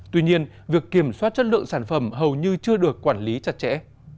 tuy nhiên việc kiểm soát chất lượng sản phẩm hầu như chưa được quản lý chặt chẽ